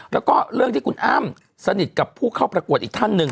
แล้วก็เรื่องที่คุณอ้ำสนิทกับผู้เข้าประกวดอีกท่านหนึ่ง